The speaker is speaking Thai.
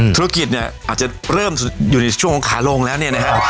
ธุรกิจเนี่ยอาจจะเริ่มอยู่ในช่วงของขาลงแล้วเนี่ยนะฮะ